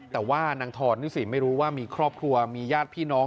แต่ว่านางทรนี่สิไม่รู้ว่ามีครอบครัวมีญาติพี่น้อง